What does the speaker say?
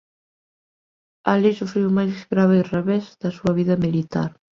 Alí sufriu o máis grave revés da súa vida militar.